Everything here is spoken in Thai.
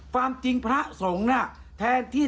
สายลูกไว้อย่าใส่